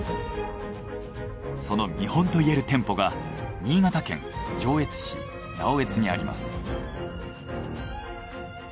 その見本といえる店舗が新潟県・上越市直江津にあります。